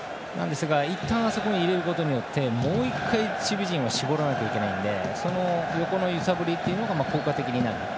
ですが、いったんあそこに入れることによってもう１回、守備陣を絞らないといけないので横の揺さぶりが効果的になる。